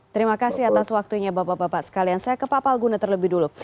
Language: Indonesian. terima kasih atas waktunya bapak bapak sekalian saya ke pak palguna terlebih dulu